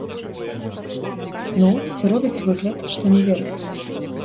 Ну, ці робіць выгляд, што не верыць.